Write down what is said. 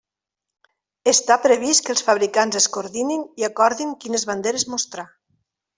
Està previst que els fabricants es coordinin i acordin quines banderes mostrar.